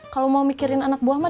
kalau mau mikirin anak buah mah